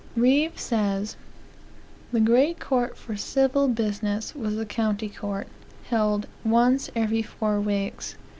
Reeve says: "The great court for civil business was the county court; held once every four weeks.